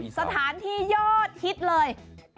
สถานที่โยชน์ฮิตเลย